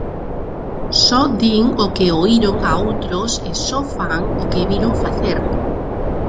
Só din o que oíron a outros e só fan o que viron facer.